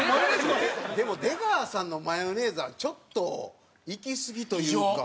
でも出川さんのマヨネーズはちょっといきすぎというか。